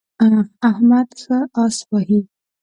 احمد ښه اس وهي.